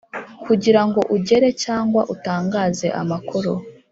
kugira ngo ugere cyangwa utangaze amakuru